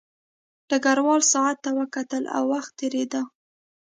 ډګروال ساعت ته کتل او وخت تېرېده